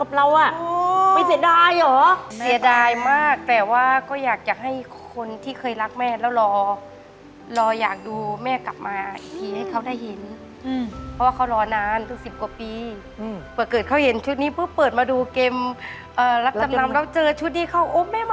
แล้วแม่มาจำนำกับเรา